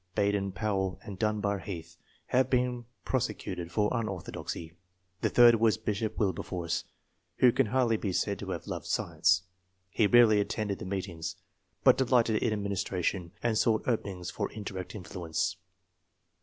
Baden Powell and Dunbar Heath, have been prosecuted for unorthodoxy ; the third was Bishop Wilberforce, who can hardly be said to have loved science ; he rarely attended the meet ings, but delighted in administration, and sought openings for indirect influence.